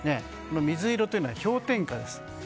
この水色というのは氷点下です。